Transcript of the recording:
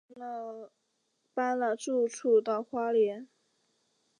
搬了住处到花莲